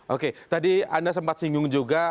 oke tadi anda sempat singgung juga